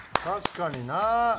確かにな。